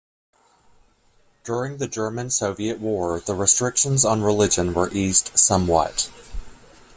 During the German-Soviet War, the restrictions on religion were eased somewhat.